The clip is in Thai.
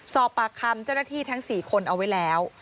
สอบปากคำเจ้าหน้าที่ทั้ง๔คนเอาไว้แล้ว